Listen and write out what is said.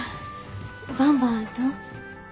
ばんばどう？